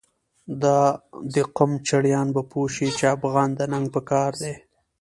دادقم چړیان به پوه شی، چی افغان د ننګ په کار کی